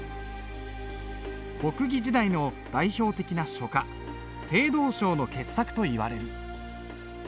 北魏時代の代表的な書家鄭道昭の傑作といわれる。